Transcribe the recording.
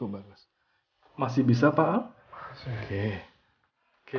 oke sekarang kita akan mencoba